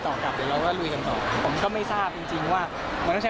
แต่พีชพัชรายืนยันแน่นอนว่าเอาเรื่องจะเงียบไป